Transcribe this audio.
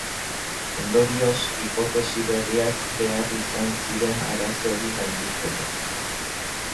Ondorioz, hipotesi berriak behar izan ziren arazo hori gainditzeko.